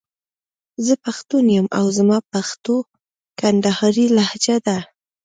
زه پښتون يم او زما پښتو کندهارۍ لهجه ده.